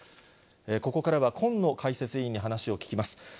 ここからは、近野解説委員に話を聞きます。